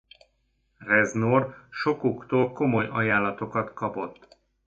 Reznor sokuktól komoly ajánlatokat kapott.